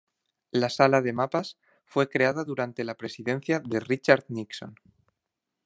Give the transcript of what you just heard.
La Sala de Mapas fue creada durante la presidencia de Richard Nixon.